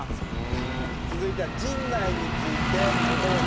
続いては陣内についてどうでしょうか？